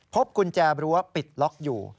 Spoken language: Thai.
กุญแจรั้วปิดล็อกอยู่